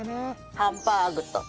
ハンバーグと。